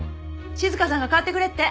静さんが代わってくれって。